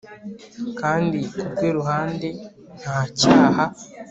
kandi ku rwe ruhande nta cyaha